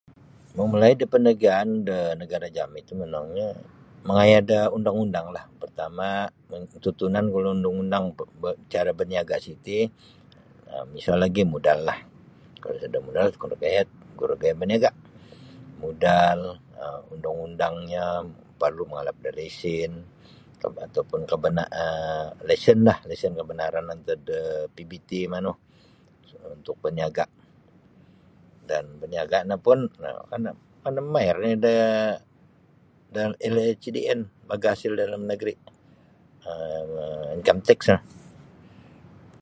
Mamulai da paniagaan da nagara jami ti monongnyo mangaya da undang-undanglah pertama ketutunan gulu undang-undang ba cara baniaga siti miso lagi modal lah kalau sada modal kuro gaya kuro gaya baniaga modal um undang-undangnyo perlu mangalap da lesen ataupun [unintelligible] lesen lah lesen kebenaran antad da PBT manu untuk paniaga dan paniaga no pun kana mamayar nini da LHDN Lembaga hasil dalam negeri income tax no.